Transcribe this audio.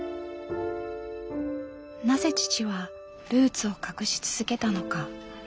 なぜ父はルーツを隠し続けたのか。